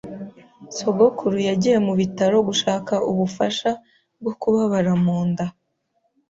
Sogokuru yagiye mu bitaro gushaka ubufasha bwo kubabara mu nda.